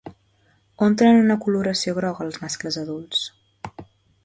On tenen una coloració groga els mascles adults?